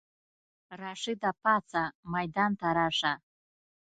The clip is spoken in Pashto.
راشده پاڅه ميدان ته راشه!